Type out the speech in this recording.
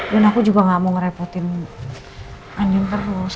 dan aku juga gak mau ngerepotin andin terus